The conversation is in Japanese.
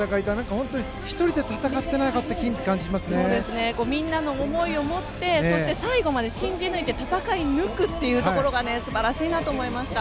本当に１人で戦ってなかったみんなの思いも持ってそして最後まで信じ抜いて戦い抜くということが素晴らしいなと思いました。